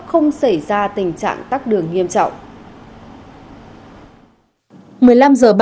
không xảy ra tình trạng tắc đường nghiêm trọng